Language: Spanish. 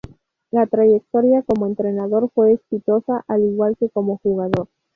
La trayectoria como entrenador fue exitosa al igual que como jugador.